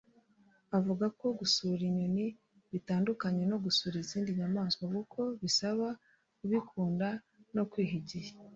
Avuga ko gusura inyoni bitandukanye no gusura izindi nyamaswa kuko bisaba kubikunda no kwiha igihe